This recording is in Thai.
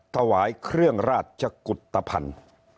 ถวายเครื่องราชกุฏภัณฑ์